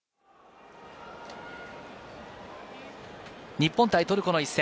日本対トルコの一戦。